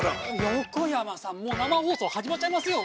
横山さん、もう生放送始まっちゃいますよ。